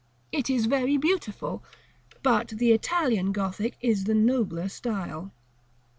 It is very beautiful, but the Italian Gothic is the nobler style.